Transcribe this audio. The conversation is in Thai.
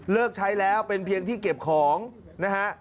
ใช้แล้วเป็นเพียงที่เก็บของนะฮะ